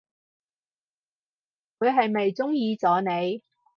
佢係咪中意咗你？